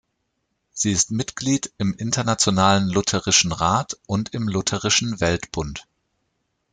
Sie ist Mitglied im Internationalen Lutherischen Rat und im Lutherischen Weltbund.